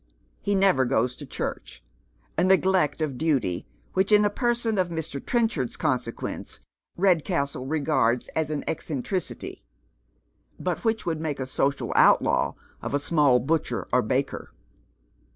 He never goes to church, a neglect of ditty which in a person of Mr. Trenchard's consequence Redcastle regards as an eccentiicity, but which would make a social outlaw of a small butcher or baker.